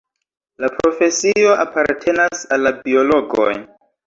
La profesio apartenas al la biologoj.